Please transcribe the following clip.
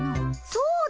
そうだ！